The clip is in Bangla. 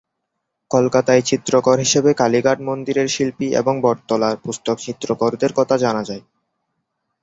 কলকাতায় চিত্রকর হিসেবে কালীঘাট মন্দিরের শিল্পী এবং বটতলার পুস্তক চিত্রকরদের কথা জানা যায়।